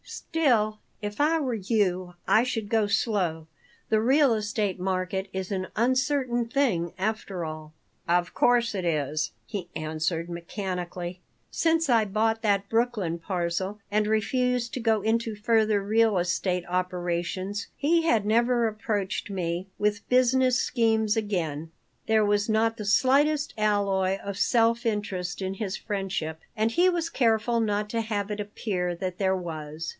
"Still, if I were you, I should go slow. The real estate market is an uncertain thing, after all." "Of course it is," he answered, mechanically Since I bought that Brooklyn parcel and refused to go into further real estate operations he had never approached me with business schemes again. There was not the slightest alloy of self interest in his friendship, and he was careful not to have it appear that there was.